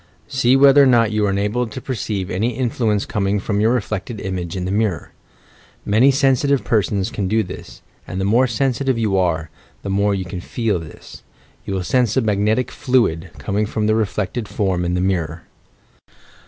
See whether or not you are enabled to perceive any influence coming from your reflected image in the mirror. Many sensitive persons can do this, and the more sensitive you are, the more will you feel this. You will sense a magnetic fluid, com ing from the reflected form in the mirror.